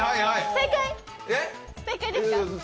正解ですか？